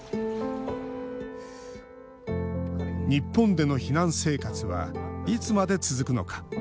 日本での避難生活はいつまで続くのか。